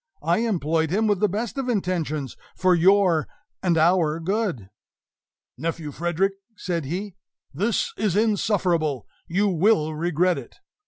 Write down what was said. I employed him with the best of intentions, for your and our good!" "Nephew Frederick," said he, "this is insufferable; you will regret it!